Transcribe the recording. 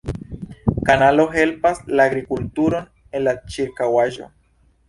Kanalo helpas la agrikulturon en la ĉirkaŭaĵo.